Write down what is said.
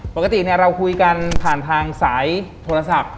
ปกติเราคุยกันผ่านทางสายโทรศัพท์